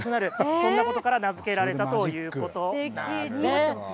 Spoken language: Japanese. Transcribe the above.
そんなことから名付けられたということ。